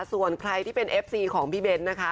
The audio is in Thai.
ส่วนใครที่เป็นเอฟซีของพี่เบ้นนะคะ